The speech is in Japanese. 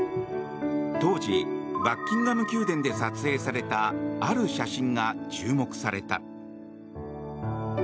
当時、バッキンガム宮殿で撮影されたある写真が注目された。